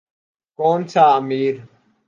کون سا امیر۔